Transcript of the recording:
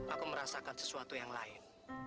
aku merasakan sesuatu yang lain